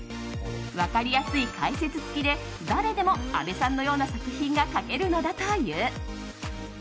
分かりやすい解説付きで誰でも安部さんのような作品が描けるのだという。